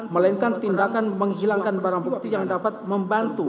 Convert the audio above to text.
melainkan tindakan menghilangkan barang bukti yang dapat membantu